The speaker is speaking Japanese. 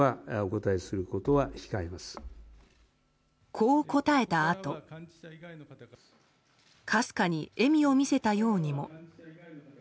こう答えたあとかすかに笑みを見せたようにも。